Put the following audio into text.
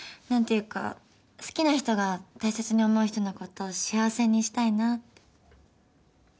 何ていうか好きな人が大切に思う人のこと幸せにしたいなぁって。